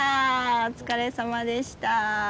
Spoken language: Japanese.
お疲れさまでした。